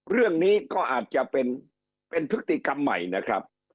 เรื่องนี้ก็อาจจะเป็นพฤติกรรมใหม่นะครับ